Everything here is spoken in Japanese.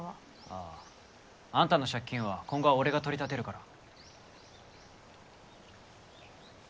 あああんたの借金は今後は俺が取り立てるから。